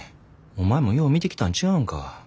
お前もよう見てきたんちゃうんか。